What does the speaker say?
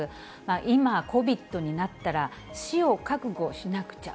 今、ＣＯＶＩＤになったら、死を覚悟しなくちゃ。